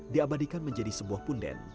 diabadikan menjadi sebuah punden